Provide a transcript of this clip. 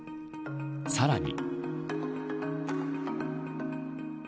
さらに。